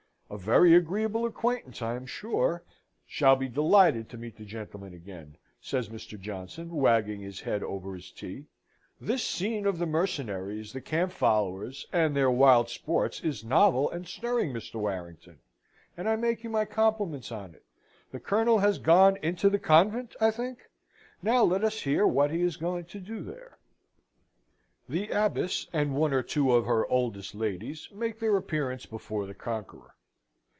"A very agreeable acquaintance, I am sure, shall be delighted to meet the gentleman again!" says Mr. Johnson, wagging his head over his tea. "This scene of the mercenaries, the camp followers, and their wild sports, is novel and stirring, Mr. Warrington, and I make you my compliments on it. The Colonel has gone into the convent, I think? Now let us hear what he is going to do there." The Abbess, and one or two of her oldest ladies, make their appearance before the conqueror.